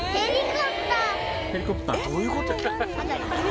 どういうこと？